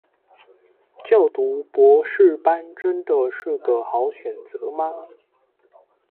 就讀博士班真的是個好選擇嗎